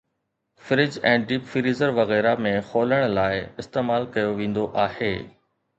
fridge ۽ deep freezer وغيره ۾ کولڻ لاءِ استعمال ڪيو ويندو آهي